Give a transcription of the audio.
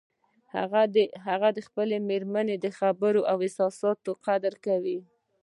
هغه د خپلې مېرمنې د خبرو او احساساتو قدر کوي